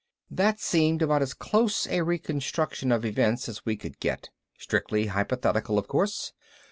That seemed about as close a reconstruction of events as we could get. Strictly hypothetical, of course.